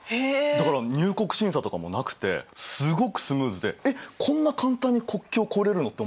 だから入国審査とかもなくてすごくスムーズで「えっこんな簡単に国境を越えれるの？」と思った。